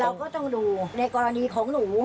เราก็ต้องดูในกรณีของหนู